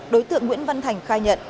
đối tượng nguyễn văn thành khai nhận